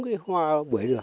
cái hoa bưởi được